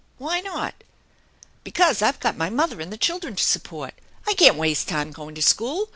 "Why not?" " Because I've got my mother and the children to sup port. I can't waste time going to school.